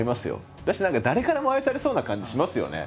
だし何か誰からも愛されそうな感じしますよね。